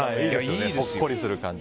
ほっこりする感じ。